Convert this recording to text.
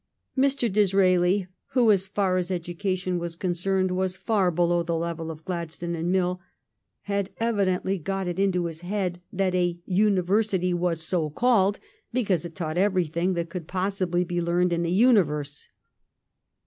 Mr. Disraeli, who, as far as education was concerned, was far below the level of Gladstone and Mill, had evidently got it into his head that a university was so called because it taught every thing that could possibly be learned in the uni verse.